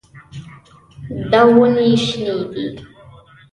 دا ونې شنې دي.